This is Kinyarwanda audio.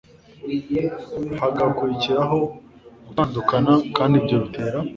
hagakurikiraho gutandukana, kandi ibyo bitera